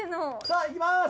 さあいきます！